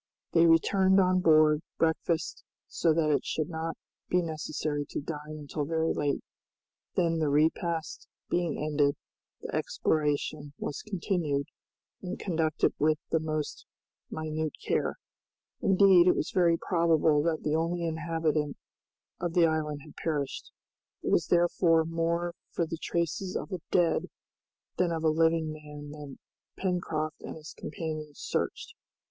They returned on board, breakfasted, so that it should not be necessary to dine until very late; then the repast being ended, the exploration was continued and conducted with the most minute care. Indeed, it was very probable that the only inhabitant of the island had perished. It was therefore more for the traces of a dead than of a living man that Pencroft and his companions searched.